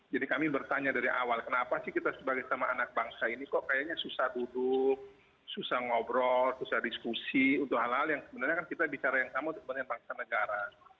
jadi kami bertanya dari awal kenapa sih kita sebagai anak bangsa ini kok kayaknya susah duduk susah ngobrol susah diskusi untuk hal hal yang sebenarnya kita bicara yang sama untuk bangsa negara